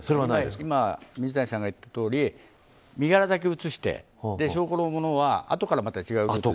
今、水谷さんが言ったとおり身柄だけ移して証拠のものはまた後から違う形で。